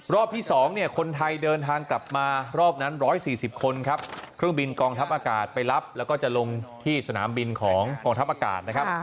รอบที่๒เนี่ยคนไทยเดินทางกลับมารอบนั้น๑๔๐คนครับเครื่องบินกองทัพอากาศไปรับแล้วก็จะลงที่สนามบินของกองทัพอากาศนะครับ